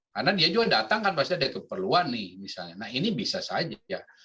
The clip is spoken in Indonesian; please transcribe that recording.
karena dia juga datang kan pasti ada keperluan nih misalnya nah ini bisa saja